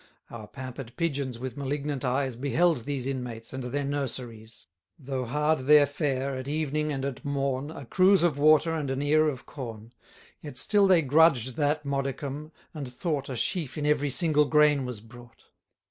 Our pamper'd Pigeons, with malignant eyes, Beheld these inmates, and their nurseries: Though hard their fare, at evening, and at morn, 1000 A cruise of water and an ear of corn; Yet still they grudged that modicum, and thought A sheaf in every single grain was brought.